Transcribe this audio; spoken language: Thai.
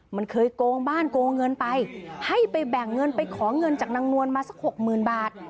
มันเคยโกงบ้านโกงเงินไปให้ไปแบ่งเงินไปขอเงินจากนางนวลมาสักหกหมื่นบาท